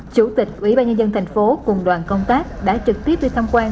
chủ tịch ủy ban nhân dân thành phố cùng đoàn công tác đã trực tiếp đi thăm quan